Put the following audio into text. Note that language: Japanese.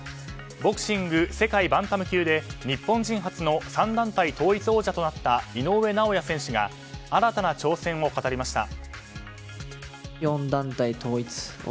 ボクシング世界バンタム級で日本人初の３団体統一王者となった井上尚弥選手が新たな挑戦を語りました。